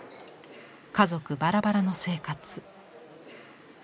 家族バラバラの生活。